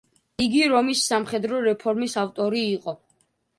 იგი რომის სამხედრო რეფორმის ავტორი იყო.